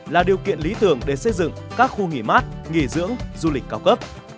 là điều kiện lý tưởng để xây dựng các khu nghỉ mát nghỉ dưỡng du lịch cao cấp